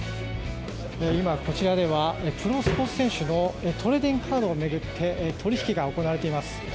こちらではプロスポーツ選手のトレーディングカードを巡って取引が行われています。